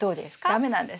駄目なんです。